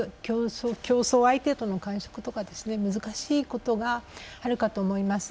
競争相手との感触とか難しいことがあるかと思います。